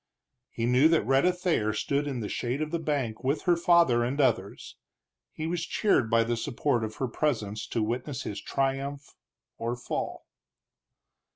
He knew that Rhetta Thayer stood in the shade of the bank with her father and others; he was cheered by the support of her presence to witness his triumph or fall.